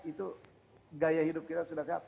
itu gaya hidup kita sudah sehat